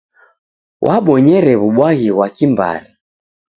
W'abonyere w'ubwaghi ghwa kimbari.